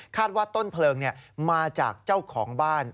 ว่าต้นเพลิงมาจากเจ้าของบ้าน